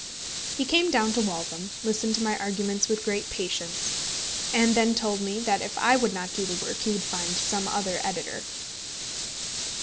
He came down to Waltham, listened to my arguments with great patience, and then told me that if I would not do the work he would find some other editor.